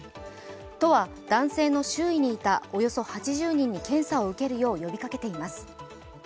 都は男性の周囲にいたおよそ８０人に検査を受けるよう呼びかけています。